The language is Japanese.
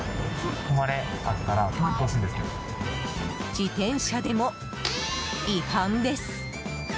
自転車でも違反です。